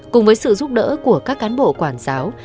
cùng với sự giúp đỡ của các cán bộ quản giáo